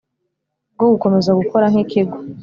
bwo gukomeza gukora nki kigo